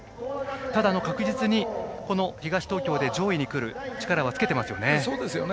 ただ確実に東東京で上位に来る力はつけていますよね。